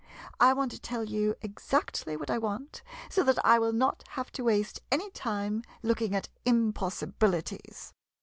I want to tell you exactly what I want, so that I will not have to waste any time looking at impossibilities.